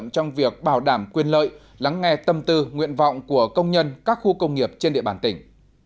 trong việc bảo đảm quyền lợi lắng nghe tâm tư nguyện vọng của công nhân các khu công nghiệp trên địa bàn tỉnh